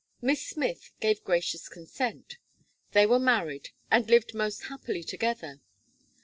Miss Smith gave gracious consent. They were married, and lived most happily together.